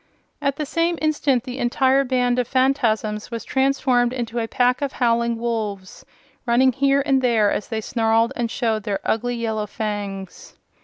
At the same instant the entire band of Phanfasms was transformed into a pack of howling wolves, running here and there as they snarled and showed their ugly yellow fangs.